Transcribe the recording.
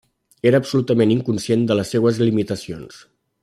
Era absolutament inconscient de les seues limitacions.